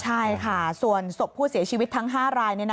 ใช่ค่ะส่วนศพผู้เสียชีวิตทั้ง๕ราย